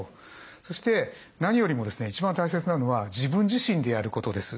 そして何よりもですね一番大切なのは自分自身でやることです。